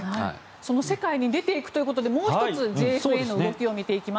その世界に出ていくということでもう１つＪＦＡの動きを見ていきます。